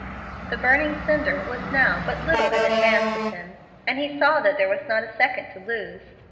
The burning cinder was now but little in advance of him, and he saw that there was not a second to lose.